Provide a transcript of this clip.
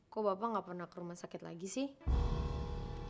kok bapak nggak pernah ke rumah sakit lagi sih